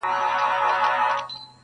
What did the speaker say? دا ویده پښتون له خوبه پاڅومه٫